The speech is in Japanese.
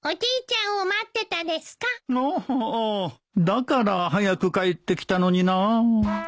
だから早く帰ってきたのになあ